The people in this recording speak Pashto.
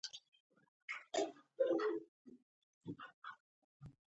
علم له خلکو ښه انسانان جوړوي.